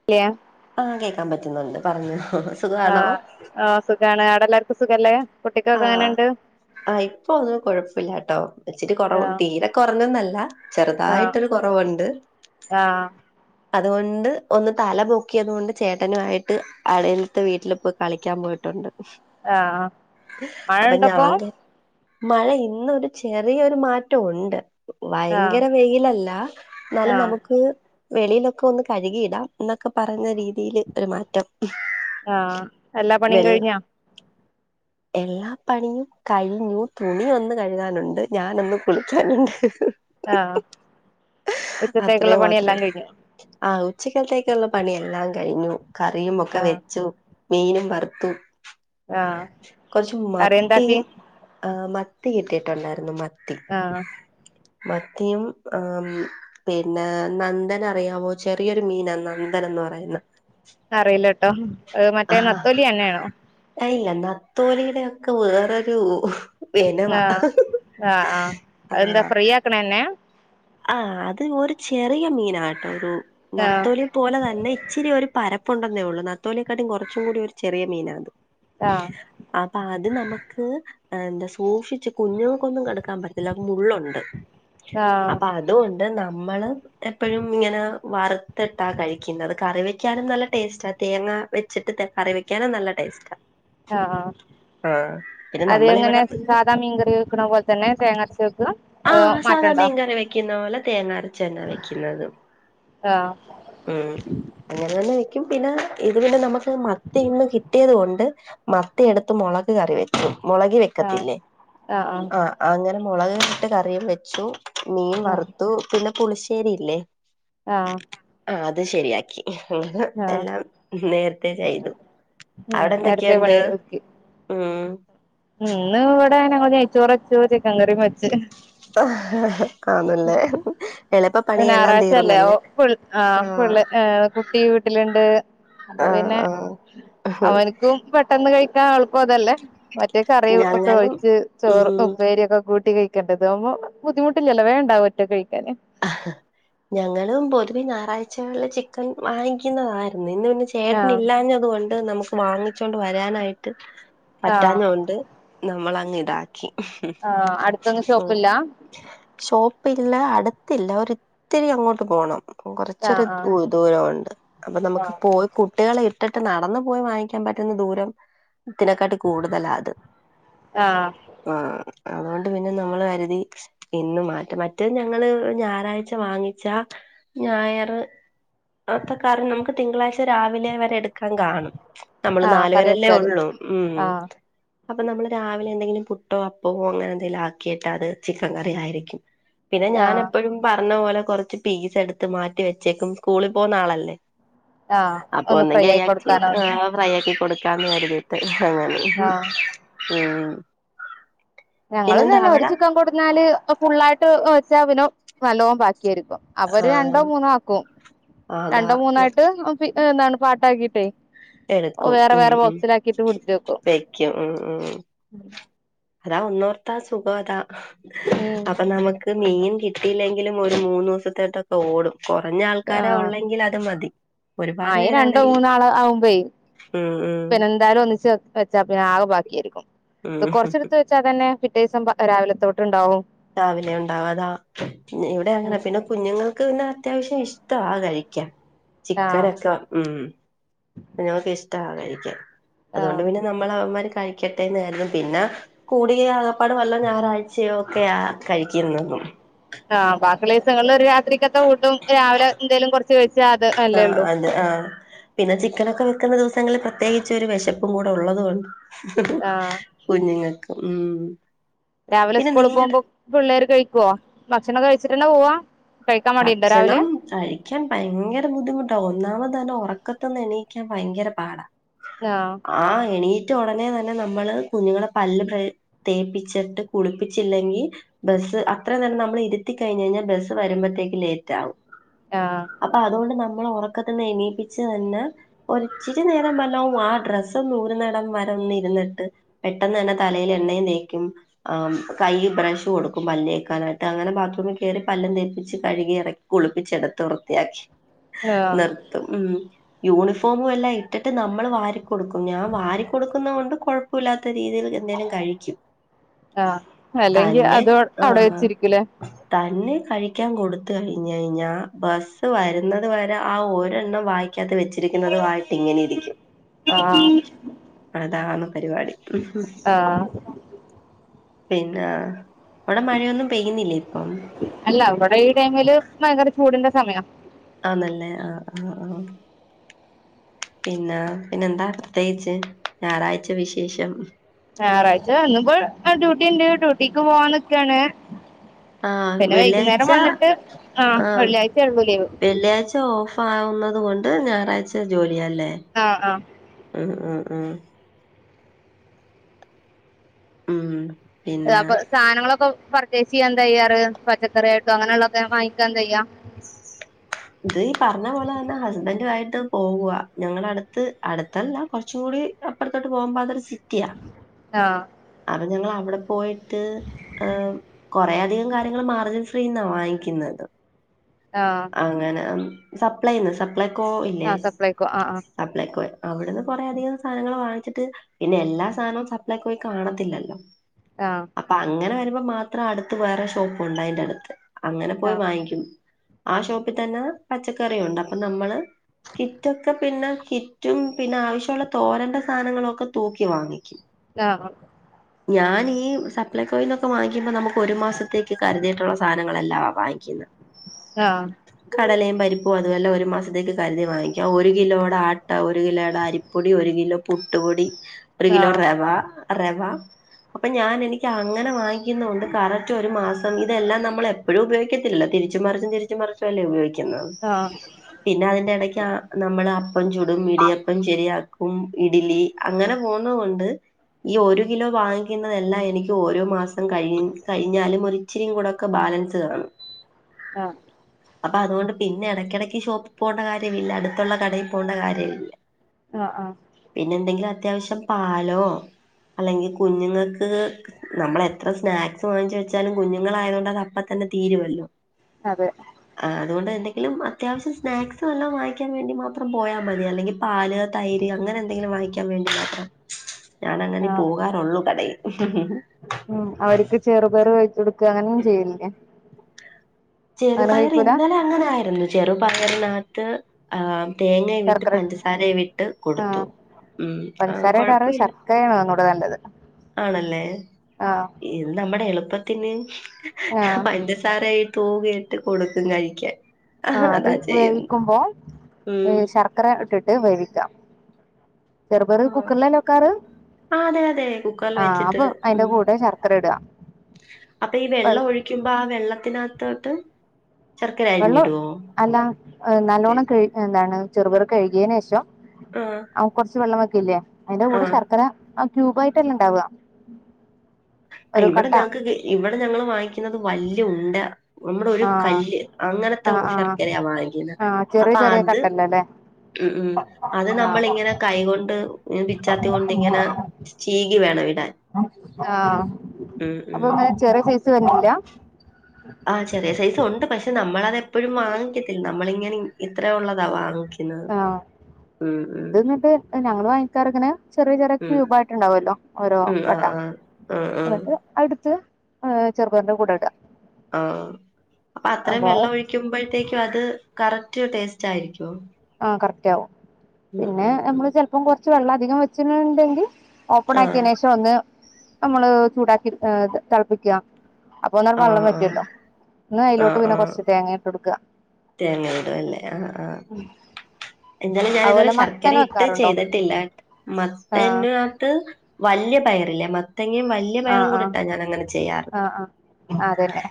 [unintelligible] ആഹ് കേൾക്കാൻ പറ്റുന്നുണ്ട് പറഞ്ഞോ സുഖാണോ ആഹ് ആ സുഖാണ് അവിടെ എല്ലർക്കും സുഖല്ലേ കുട്ടിക്കൊക്കെ ആഹ് എങ്ങനെയുണ്ട് ആഹ് ഇപ്പൊന്നും കുഴപ്പില്ലട്ടോ ഇച്ചിരി കുറ ആഹ് തീരെ കുറഞ്ഞന്നല്ല ആഹ് ചെറുതായിട്ടൊരു കുറവുണ്ട് ആഹ് അതുകൊണ്ട് ഒന്ന് തല പൊക്കിയത്‌ കൊണ്ട് ചേട്ടനുമായിട്ട് അലടുത്തെ വീട്ടിൽ പോയി കളിക്കാൻ പോയിട്ട് ട്ടുണ്ട് ആഹ് ആഹ് അപ്പൊ ഞാൻ കരുതി മഴ ഇന്നൊരു ചെറിയൊരു മാറ്റം ഉണ്ട് ആഹ് ഭയങ്കര വെയിലല്ല എന്നാലും ആഹ് നമുക്ക് വെളിയിലൊക്കെ ഒന്ന് കഴുകിയിടാം എന്നൊക്കെ പറഞ്ഞ രീതിയില് ഒരു മാറ്റം ആഹ് എല്ലാ പണിയും വെൽ കഴിഞ്ഞാ എല്ലാ പണിയും കഴിഞ്ഞു തുണി ഒന്ന് കഴുകാനുണ്ട് ഞാനൊന്ന് കുളിക്കാനുണ്ട് ആഹ് ഉച്ചത്തേക്കുള്ള പണിയെല്ലാം കഴിഞ്ഞോ ആഹ് ഉച്ചക്കലത്തേക്കുള്ള പണിയെല്ലാം കഴിഞ്ഞു കറിയും ഒക്കെ ആഹ് വെച്ചു മീനും വറുത്തു ആഹ് കുറച്ച് മത്തി കറിയെന്താക്കി ആ മത്തി കിട്ടിയിട്ടുണ്ടായിര്ന്നു മത്തി. ആഹ് മത്തിയും ആഹ്‌ മ് പിന്നെ നന്ദന അറിയാവോ ചെറിയൊരു മീനാ നന്ദൻ എന്ന് പറയുന്ന അറിയില്ല ട്ടോ മറ്റേ ആ നത്തോലി എന്നെണോ ഇല്ല നത്തോലിയുടെ ഒക്കെ വേറൊരു. വിനവാ ആഹ് ആഹ് ക്ണന്നെ. ആഹ്അത് ഒരു ചെറിയ മീനട്ടോരു ആഹ് നത്തോലി. ത്തോല തന്നെ ഇച്ചിരി ഒരു പരപ്പുണ്ടെന്നേ ഉള്ളൂ നത്തോലിയെക്കാട്ടും കുറച്ചും കൂടി ഒരു ചെറിയ മീനാത്. ആഹ് അപ്പൊ അത് നമ്ക്ക്. എന്താ സൂക്ഷിച്ച് കുഞ്ഞുങ്ങൾക്കൊന്നും കെടുക്കാൻ പറ്റത്തില്ല മുള്ളുണ്ട്. ആഹ് അപ്പൊ അതുകൊണ്ട് നമ്മള്. എപ്പോഴും ഇങ്ങനെ വറുത്തിട്ടാ കഴിക്കുന്നത്ത് കറി വെക്കാനും നല്ല ടേസ്റ്റാ തേങ്ങ വച്ചിട്ട് തെ കറി വെക്കാനും നല്ല ടേസ്റ്റ ആഹ് ആഹ് ആഹ് പിന്നെ അത് എങ്ങനെ നമ്മളിവിടെ പിന്നെ സാധാ മീൻകറി വെക്കുന്ന പോലെ തന്നെ തേങ്ങാ ര്ച്ച് വെക്ക. അതോ ആഹ് സാധാ മാറ്റണ്ടോ. മീൻകറി വെക്കുന്ന പോലെ തേങ്ങാരച്ചന്നാ വെക്കുന്നത് ആഹ് ഉം. അങ്ങനെ തന്നെ വെക്കും പിന്നെ ഇത് പിന്നെ നമുക്ക് മത്തി ഇന്ന് കിട്ടിയത് കൊണ്ട്. മത്തി എടുത്ത് മുളക് കറി വെക്കും മുളകി വെ ആഹ് വെക്കത്തില്ലേ ആഹ് ആ അങ്ങനെ മുളക് ഇട്ട് കറിയും വെച്ചു. മീൻ ആഹ് വറുത്തു പിന്നെ പുളിശ്ശേരിയില്ലേ. ആഹ് ആഹ് അത് ശരിയാക്കി അങ്ങനെ ആഹ് എല്ലാം നേരത്തെ ചെയ്തു. ഉം അവിടെ നേരത്തെ പണി എന്തൊക്കെണ്ട് ഒതുക്കി ഉം. ഇന്ന് ഇവിടെങ്ങനെ ഞങ്ങ നെയ് ച്ചോറ് വെച് ച്ചിക്കൻ കറി വച്ച്. ആഹ് ഹ. മ് ഞായറാഴ്ച്ചല്ലേഒ തീർന്നല്ലേ പൾ ആ ആഹ് ഫുള്ള് ഏഹ് കുട്ടി വി ട്ടിലുണ്ട് അപ്പൊ ആഹ് പിന്നെ ആഹ് അവൻക്കും പെ ട്ടന്ന് കഴിക്കാൻ എളുപ്പം അതല്ലേ മറ്റേ കറി ഒക്കെ ഞങ്ങളും ഒഴിച്ച് ചോറ് ഉം ഉപ്പേരിയൊക്കെ കൂട്ടി കഴി ക്കണ്ടെ താവുമ്പോ ബുദ്ധിമുട്ടില്ല വേ ണ്ടാവും ഒറ്റക്ക്കഴിക്കാന്. ഞങ്ങളും പൊതുവെ ഞായറാഴ്ചകളിൽ ചിക്കൻ വാങ്ങിക്കുന്നതായിരുന്നു ഇന്ന് പിന്നെ ചി ഏട്ടനി ആഹ് ഇില്ലാഞ്ഞത് കൊണ്ട് നമുക്ക് വാങ്ങിച്ചോണ്ട് വരാനായിട്ട് ആഹ് പറ്റാന്നൊണ്ട്. നമ്മൾ അങ്ങ് ഇടാ. കെ ആഹ് അടുത്തൊന്നും ഷോപ്പ് ല്ലാ ഷോപ്പില്ല അടുത്തില്ല ഒരിത്തിരി അങ്ങോട്ട് പോണം. കുറച്ചൊരു ആഹ് ദൂരംണ്ട് അപ്പൊ നമുക്ക് ആഹ് പോയി. കുട്ടികളെ ഇട്ടിട്ട് നടന്നു പോയി വാങ്ങിക്കാൻ പറ്റുന്ന ദൂരം ത്തിനെക്കാട്ടി കൂടുതലാ അത്. ആഹ് ആ അതുകൊണ്ട് പിന്നെ നമ്മൾ കരുതി ഇന്ന് മാറ്റം മറ്റേ ഞങ്ങള്. ഞായറാഴ്ച്ച വാങ്ങിച്ച ഞായർ അത് കാരണം നമുക്ക് തിങ്കളാഴ്ച രാവിലെ വരെ എടുക്കാൻ കാണും. നമ്മള് ആഹ് നാലു കറി പേരല്ലേ വെച്ചാല് ഒള്ളു ഉം. ആഹ് അപ്പൊ നമ്മള് രാവിലെ എന്തെങ്കിലും പുട്ടോ അപ്പോ അങ്ങനെ എന്തെങ്കിലും ആക്കിയിട്ട് അത് ചിക്കൻ കറി ആയിരിക്കും. പിന്നെ ഞാൻ ആഹ് എപ്പോഴും പറഞ്ഞ പോലെ കുറച്ച് പീസ് എടുത്ത് മാറ്റി വെച്ചേക്കും സ്കൂളിൽ പോകുന്ന ആളല്ലേ. ആഹ് അപ്പൊ ഒന്ന് ഫ്രൈ ഒന്നെങ്കി ആയി കൊടുക്കാനാണ് [unintelligible] ഫ്രൈയാക്കി കൊടുക്കാന്ന് പ [inaudible] രുതിട്ട് അങ്ങനെ, ആഹ് ഉം.. ഞങ്ങളും പിന്നെന്താ തന്നെ ഒരു അവിടെ ചിക്കൻ കൊടുന്നാല് അത് ഫുള്ളായിട്ട് വെച്ചാ പിന്നെ നല്ലോം ബാക്കിയായിരിക്കും. അപ്പൊത് രണ്ടോ ആഹ് മൂന്നോ ആക്കും. അതാ രണ്ടോ മൂന്നായിട്ട് പി എന്താണ് പാട്ടാക്കിട്ടേയ്.. എടുക്കും ഉം ഉം വെക്കും ഉം ഉം ഉം. അതാ ഒന്നോർത്താ സുഗവതാ, ഉം അപ്പൊ നമുക്ക്.. ക്ക് മീൻ കിട്ടിയില്ലെങ്കിലും ഒരു മൂന്ന് ദിവസത്തേട്ടൊക്കെ ഓടും. കൊറഞ്ഞ ആൾക്കാരാ ആഹ് ഒള്ളെങ്കിലത് മതി, ഒരുപാട് പേരാണെങ്കി... കള ആവുമ്പേയ് പിന്നെന്തായാലും ഒന്നിച്ച് വെച്ചാ പിന്നെ ആകെബാക്കിയായിരിക്കും, ഉം ഇപ്പൊ കൊറച്ചടുത്ത്.. ച്ചാ തന്നെ പിറ്റെദിവസം രാവിലെ തോട്ട്ണ്ടാവും. രാവിലെ ഉണ്ടാവു അതാ, ഇവിടെ ഉം അങ്ങനെ പിന്നെ കുഞ്ഞുങ്ങക്ക് പിന്നെ അത്യാവശ്യം ഇഷ്ടവാ കഴിക്കാൻ ആഹ് ചിക്കനൊക്കെ. ഉം.. കുഞ്ഞുങ്ങക്ക് ഇഷ്ടവ കഴിക്കാൻ, അതുകൊണ്ട് ആഹ് പിന്നെ നമ്മൾ അവന്മാര് കഴിക്കട്ടെന്ന് കരുതും പിന്ന... കൂടിയ ആകപ്പാട് വല്ല ഞായറാഴ്ചയോ ഒക്കെയാ കഴിക്കുന്നതും. ആഹ്, ബാകിയുള്ള ദിവസങ്ങളിൽ ഒരു രാത്രിക്കത്തെ ഫൂഡും രാവിലെ എന്തേലും കുറച്ച് കഴിച്ചാ അത് നല്ലേ ആഹ് ഉള്ളൂ. അത് ആഹ. പിന്നെ ചിക്കനൊക്കെ വെക്കുന്ന ദിവസങ്ങളിൽ പ്രത്യേകിച്ച് ഒരു വെശപ്പും കൂടെ ഉള്ളത് കൊണ്ട് ആഹ് കുഞ്ഞുങ്ങക്ക്, ഉം.. പിന്നെ രാവിലെസ്കൂള് നിങ്ങടെ പോവുമ്പോ പിള്ളേര് കഴിക്കോ? ഭക്ഷണം കഴിച്ചിട്ടന്നെ പോവാ? കഴിക്കാൻ മടിയുണ്ടോ രാവിലെ ഭക്ഷണം.. കഴിക്കാൻ ഭയങ്കര ബുദ്ധിമുട്ടാ, ഒന്നാമതതൊറക്കത്ത്ന്ന് എണീക്കാൻ ഭയങ്കര പാടാ. ആഹ് ആഹ്. എണീറ്റ് ഒടനെ തന്നെ നമ്മള് കുഞ്ഞുങ്ങളെ പല്ല് ബ്രെ തേപ്പിച്ചിട്ട് കുളിപ്പിച്ചില്ലെങ്കി ബസ്സ് അത്രേം നേരം നമ്മൾ ഇരുത്തി കഴിഞ്ഞയ്ഞാ ബസ്സ് വരുമ്പത്തേക്കും ലേറ്റ് ആവും. ആഹ്, അപ്പ അതുകൊണ്ട് നമ്മള് ഒറക്കത്തിന്ന് എണീപ്പിച്ച് തന്നെ... ഒരിച്ചിരി നേരം വല്ലോം, ആ ഡ്രസ്സൊന്നൂരുന്നെടം വരെ ഒന്നിരുന്നിട്ട്... പെട്ടെന്ന് തന്നെ തലയിലെണ്ണയും തേക്കും. ആഹ് ഉം കൈയ്യി ബ്രഷ് കൊടുക്കും പല്ലേക്കാനായിട്ട്, അങ്ങനെ ബാത്റൂമികേറി പല്ലും തേപ്പിച്ച്... കഴുകി എറക്കി കുളിപ്പിച്ചെടുത്ത് വൃത്തിയാക്കി ആഹ് നിർ ത്തും ഉം, യൂണിഫോമും എല്ലാം ഇട്ടിട്ട് നമ്മൾ വാരി കൊടുക്കും, ഞാൻ വാരി കൊടുക്കുന്ന കൊണ്ട് കൊഴപ്പവില്ലാത്ത രീതിയിൽ എന്തേലും കഴിക്കും. ആഹ്, അല്ലെങ്കി തന്നെ അതു അവിടെ ആഹ് വെച്ചിരിക്കു ലേ? തന്നെ കഴിക്കാൻ കൊടു ത്ത് കഴിഞ്ഞയ്ഞ്ഞാ ബസ്സ് വരുന്നത് വരെ ആ ഒരെണ്ണം വായി ക്കകത്ത് വെച്ചിരിക്കുന്നുന്നതുവായിട്ട് ഇങ്ങനെ ഇരിക്കും, ആഹ് അതാണ് പരിപാടി. ആഹ് പിന്നാ അവിടെ മഴയൊന്നും പെയ്യുന്നില്ലേ ഇപ്പം. അല്ല, വടെ ഈ ടൈമില് ഭയങ്കര ചൂടിന്റെ സമയ ആന്നല്ലേ ആഹ് ആഹ് ആഹ് പിന്നാ പിന്നെന്താ പ്രത്യേകിച്ച്, ഞാറാഴ്ച വിശേഷം? ഞാറാഴ്ച ഇന്ന്പ്പോ ആ ഡ്യൂട്ടിണ്ട്, ഡ്യൂട്ടിക്ക് പോവാൻനിക്കാണ്. ആഹ് പിന്നെ വൈകുന്നേരം വെള്ളിയാഴ്ച വന്നിട്ട് ആഹ് വെള്ളിയാഴ്ചെ ഒള്ളു ലീവ് വെള്ളിയാഴ്ച ഓഫ് ആവുന്നത് കൊണ്ട് ഞാറാഴ്ച ജോലിയാ ല്ലേ? ആഹ് ആഹ് ഉം ആഹ് ആഹ് ഉം.. പിന്നെ അപ്പൊ സാനങ്ങളൊക്കെ പർച്ചേസിയ്യാൻ എന്തായ്യാറ് പച്ചക്കറി ആായിട്ടോ അങ്ങനെള്ള ഒക്കെ വാങ്ങിക്കാ എന്തായ്യ ഇത് ഈ പറഞ്ഞ പോലെ തന്നെ ഹസ്ബൻഡു ആയിട്ട് പോവ്വ ഞങ്ങള അട്ത്ത് അട്ത്തല്ല കൊറച്ചും കൂടി അപ്പറത്തോട്ട് പോവുമ്പോ അതൊരു സിറ്റാ ആഹ് അപ്പ ഞങ്ങൾ അവടെ പോയിട്ട് ആഹ് കൊറേഅധികംകാര്യങ്ങൾ മാർജൻ ഫ്രീന്നാ വാങ്ങിക്ക്ന്നത് ആഹ് അങ്ങനെ സപ്ലൈന്ന് സപ്ലൈകോ ഇല്ലേ ആഹ് സപ്ലൈക്കോ ആഹ് ആഹ് സപ്ലൈകോ അവിടുന്ന് കൊറെ അധികം സാനങ്ങള് വാങ്ങിച്ചിട്ട് പിന്നെ എല്ലാ സാനവും സപ് സപ്ലൈകോയി കാണത്തില്ലല്ലോ ആഹ് അപ്പ അങ്ങനെ വരുമ്പോ മാത്രം അടുത്ത് വേറെ ഷോപ്പ് ഉണ്ട് അയ്ന്റെ അടുത്ത് അങ്ങനെ ആഹ് പോയി വാങ്ങിക്കും ആ ഷോപ്പി തന്നെ പച്ചക്കറിയുണ്ട് അപ്പോ നമ്മള് കിറ്റൊക്കെ പിന്നെ കിറ്റും പിന്നെ ആവശ്യള്ള തോരന്റെ സാനങ്ങളൊക്കെ തൂക്കി വാങ്ങിക്കും ലാറം ഞാൻ ഈ സപ്ലൈകോയി ന്നൊക്കെ വാങ്ങിക്കുമ്പോ നമുക്ക് ഒരു മാസത്തേക്ക് കരുതിയിട്ടുള്ള സാധനങ്ങളല്ലാ വാങ്ങിക്ക്ന്ന് ആഹ് കടലിം പരിപ്പും അതുവല്ലാം ഒരു മാസത്തേക്ക് കരുതി വാങ്ങിക്കാം ഒരു കിലോടെ ആട്ട ഒരു കിലോടെ അരി പൊടി ഒരു കിലോ പുട്ടുപൊടി ഒരു കിലോ ആഹ് റവ റവ അപ്പോ ഞാൻ എനിക്ക് അങ്ങനെ വാങ്ങി ഇന്നുണ്ട് കറക്ട് ഒരു മാസം ഇതെല്ലാം നമ്മളെപ്പഴും ഉപയോഗിക്കത്തില്ല തിരിച്ച് മറിച്ചും തിരിച്ചും മറിച്ചും അല്ലെ ഉപയോഗി എന്നത് ആഹ് പിന്നെ അയ്ന്റെ എടക്ക് നമ്മള് അപ്പം ചുടും ഇടിയപ്പം ശെരിയാക്കും ഇഡ്‌ലി അങ്ങനെ പോവുന്ന കൊണ്ട് ഈ ഒരു കിലോ വാങ്ങിക്കുന്നതെല്ലാം എനിക്ക് ഓരോ മാസം കഴി കഴിഞ്ഞാലും ഒര് ഇച്ചിരി കൂടൊക്കെ ബാലൻസ് കാണും ആഹ് അപ്പ അത്കൊണ്ട് പിന്നെ എടക്ക് എടക്ക് ഷോപ്പി പോണ്ട കാര്യവില്ല അടുത്തുള്ള കടയിൽ പോണ്ട കാര്യവില്ല അ ആഹ് പിന്നെ എന്തെങ്കിലും അത്യാവശ്യം പാലോ അല്ലെങ്കി കുഞ്ങ്ങൾക്ക് നമ്മൾ എത്ര സ്നാക്സ് വാങ്ങിച്ചു വെച്ചാലും കുഞ്ഞുങ്ങളായത് കൊണ്ട് അത് അപ്പ തന്നെ തീരുവല്ലോ അതെ ആ അതുകൊണ്ട് എന്തെങ്കിലും അത്യാവിശ്യം സ്നാക്സ് വല്ലതും വാങ്ങി ക്കാൻ വേണ്ടി മാത്രം പോയാ മതി അല്ലെങ്കി പാല് തൈര് അങ്ങനെ എന്തെങ്കിലും വാങ്ങിക്കാൻ വേണ്ടി മാത്രം ഞാനങ്ങനെ ആഹ് പോകാറൊള്ളൂ കടയിൽ ഉം അവർക്ക് ചെറുപേർ വേവിച്ച് കൊടുക്ക അങ്ങനെ ഒന്നും ചെയ്യലില്ലേ ചെറുപയർ ഇന്നലെ അങ്ങനെ ആയിരുന്നു ചെറുപയറിനത്ത് ആ തേങ്ങയും വിട്ട് ശർക്കര പഞ്ചസാരയി വിട്ട് കൊടുത്തു ആഹ് ഉം ആ കൊഴപ്പവില്ല ശർക്കരേണ് ഒന്നും കൂടെ നല്ലത് ആണല്ലെ ആഹ് ഇത്‌ നമ്മടെ എളുപ്പത്തിന് ആഹ് പഞ്ചസാര തൂവി ഇട്ട് കൊടുക്കും കഴിക്ക്യാൻ ആഹ് അത് വേവിക്കുമ്പോ ഉം ശർക്കര ഇട്ടിട്ട് വേവിക്ക ചെറുപയർ ആഹ് കുക്കർലല്ലെ വെക്കാറ് ആ അതെ അതെ കുക്കറിൽ ആഹ് വെച്ചിട്ട് അപ്പൊ അതിന്റെ ഉം കൂടെ ശർക്കര ഇടുക അപ്പോ ഈ വെൾ വെള്ളം ഒഴി ക്കുമ്പോ ആ വെള്ളത്തിനത്തോട്ട് ശർക്കര വെള്ളം അരിഞ്ഞിടോ അല്ല നല്ലോണം കഴി എന്താണ് ചെറുപറ് കഴുകേനേഷം ആഹ് ആ കൊറച്ച് വെള്ളം വെക്കില്ലെ അയ്ന്റെ കൂടെ ആഹ് ശർക്കര ക്യൂബ് ആയിട്ടല്ലെ ഇണ്ടാവ ആ ഇവട ഞങ്ങക്ക് ഇവിടെ ഞങ്ങൾ വാങ്ങിക്ക്ന്നത് വല്യ ഉണ്ട നമ്മുടെ ഒരു ആഹ് കല്ല് അങ്ങനത്തെ ആഹ് ആഹ് ശർക്കരയ വാങ്ങിക്കുന്നത് ആഹ് ചെറിയ അപ്പ ചെറിയ അത് കട്ടല്ലല്ലേ ഉം ഉം അത് നമ്മള് ആഹ് ഇങ്ങനെ കൈകൊണ്ട് വിച്ചാത്തി കൊണ്ട് ഇങ്ങനെ ചീകി വേണം ഇടാൻ ആഹ് ഉം ഉം അപ്പൊങ്ങനെ ചെറിയ സൈസ് വര്ണില്ലാ ആഹ് ചെറിയ സൈസുണ്ട് പക്ഷെ നമ്മളതെപ്പഴും വാങ്ങിക്കത്തില്ല നമ്മളിങ്ങനെ ഇത്ര ഉള്ളതാ വാങ്ങിക്ക ആഹ് ഉം ഉം അത് വന്നിട്ട് ഞങ്ങൾ വാങ്ങിക്കാറ്ങ്ങനെ ചെറിയ ചെറിയ ഉം ക്യൂപായിട്ട്ണ്ടാവുല്ലോ ഓരോ ഉം കട്ട ആഹ് ആഹ് ആഹ് ആഹ് എന്നിട്ട് അട്ത്ത് ഏ ചെറുപയറിന്റെ കൂടെ ഇട ആഹ് അപ്പൊ അത്രേം വെള്ളം ഒഴിക്കുമ്പഴത്തേക്കും അത് കറക്റ്റ് ടേസ്റ്റായിരിക്കോ ആഹ് കറക്റ്റാവും പിന്നേ ഉം ഞമ്മള് ചെലപ്പം കൊറച്ച് വെള്ളം അധികം വെച്ച്ണ്ടെങ്കിൽ ആഹ് ഓപ്പണാക്കിയനേഷം ഒന്ന് നമ്മള് ചൂടാക്കി ഏ തളപ്പിക്ക അപ്പൊ ഒന്നണ്ട് വള്ളം ആഹ് ആഹ് വറ്റൊല്ലോ ഇന്ന് അയിലോട്ട് പിന്നെ കൊറച്ച് തേങ്ങയിട്ടൊട്ക്ക തേങ്ങയിടുവല്ലേ അല്ലേ ആഹ് ആഹ് ഉം [inaudible] എന്താലും ഞാനിത് വരേ ശർക്കര ഇട്ട് ചെയ്തിട്ടില്ല ആഹ് മത്തനകത്ത് വല്ല്യേ പയറില്ലേ മത്തങ്ങയും വല്ലിയ വലിയ ആഹ് പയറും കൂടി ആഹ് ഇട്ടാ ഞാൻ അങ്ങനെ ചെയ്യാറ് ആഹ് ആഹ് അതന്നെ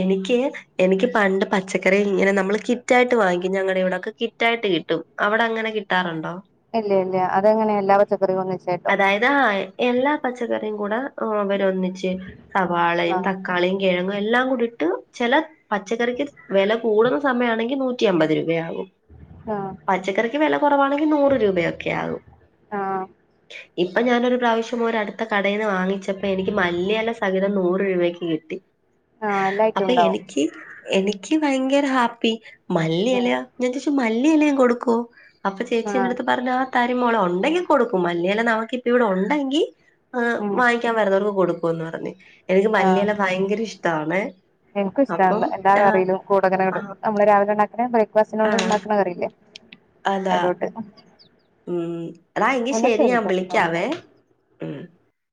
എനിക്ക് എനിക്ക് പണ്ട് പച്ചക്കറി ഇങ്ങനെ നമ്മള് കിറ്റായിട്ട് വാങ്ങിക്കും ഞങ്ങടെ ഇവിടൊക്കെ കിറ്റായിട്ട് കിട്ട് ട്ടും അവിടെ അങ്ങനെ കിട്ടാറുണ്ടോ ഇല്ല ഇല്ല അതെങ്ങനെ എല്ലാ പച്ചക്കറികളും ഒന്നിച്ചായിട്ടോ ആഹ് എല്ലാ പച്ചക്കറിയും കൂടെ ആവരൊന്നിച്ച് സവാളയും ആഹ് തക്കാളിയും കിഴങ്ങും എല്ലാം കൂടിട്ട് ചെല പച്ചക്കറിക്ക് വില കൂടുന്ന സമയാണെങ്കിൽ നൂറ്റി അമ്പത് രൂപയാകും ആഹ് പച്ചക്കറിക്ക് വില കുറവാണെങ്കിൽ നൂറ് രൂപയൊക്കെയാവും ആഹ് ഇപ്പൊ ഞാനൊരു പ്രാവശ്യം ഒരട്ത്ത കടേന്ന് വാങ്ങിച്ചപ്പെനിക്ക് മല്ലിയല സഹിതം നൂറ് രൂപയ്ക്ക് കിട്ടി ആഹ് എല്ലാ ഐറ്റവും അപ്പൊ ഉണ്ടാവും എനിക്ക് എനിക്ക് ഭയങ്കര ഹാപ്പി മല്ലിയില ആഹ് ഞാൻ ചോയിച്ചു മല്ലിയിലിം കൊടുക്കോ അപ്പൊ ചേച്ചി ആഹ് എന്റെടുത്ത് പറഞ്ഞ തരുംമോള ഉണ്ടെങ്കിൽ കൊടുക്കും മല്ലിയല നമുക്കിപ്പവിടെ ഉണ്ടങ്കി ഏഹ് ഉം വാങ്ങി ക്കാൻ വരുന്നവർക്ക് കൊടുക്കുംന്ന് പറഞ്ഞ് എനിക്ക് ആഹ് മല്ലിയല ഭയങ്കര ഇഷ്ടാണേ എനിക്കും ഇഷ്ടാണ് എല്ലാ കറീലും കൂടങ്ങനെ ആ ഇടും നമ്മള് രാവിലെ ഉണ്ടാക്കണ ആ ബ്രേക്ക്ഫാസ്റ്റിനോണ്ട്ണ്ടാക്കണ കറിയില്ലേ അതാ ആയിക്കോട്ടെ ഉം എടാ എങ്കി ശരി വിളിക്കാം ഞാവിളിക്കാവേ